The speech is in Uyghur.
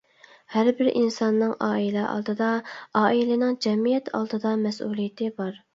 ھەربىر ئىنساننىڭ ئائىلە ئالدىدا، ئائىلىنىڭ جەمئىيەت ئالدىدا مەسئۇلىيىتى بار.